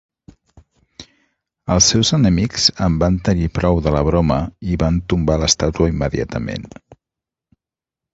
Els seus enemics en van tenir prou de la broma i van tombar l'estàtua immediatament.